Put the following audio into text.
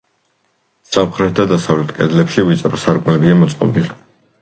სამხრეთ და დასავლეთ კედლებში ვიწრო სარკმლებია მოწყობილი.